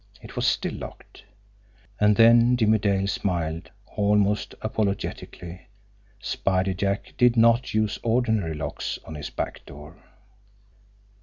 It was still locked. And then Jimmie Dale smiled almost apologetically. Spider Jack did not use ordinary locks on his back door!